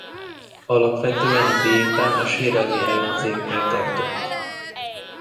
Alapvetően a diétán a sérelmi ellenzékkel tartott.